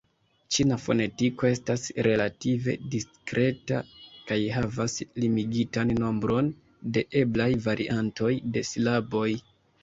Ĉina fonetiko estas relative diskreta kaj havas limigitan nombron de eblaj variantoj de silaboj.